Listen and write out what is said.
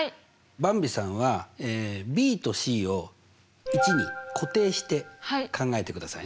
ばんびさんはｂとｃを１に固定して考えてくださいね。